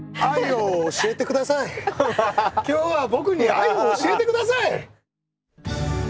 今日は僕に愛を教えてください！